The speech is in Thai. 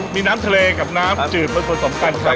มีน้ำทะเลกับน้ำจืดเป็นคนสำคัญครับ